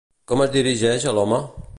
Com es dirigeix a l'home?